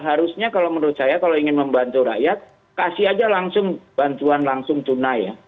harusnya kalau menurut saya kalau ingin membantu rakyat kasih aja langsung bantuan langsung tunai ya